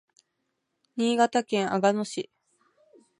新潟県阿賀野市